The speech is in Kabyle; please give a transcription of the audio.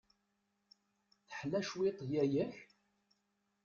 Teḥla cwiṭ yaya-k?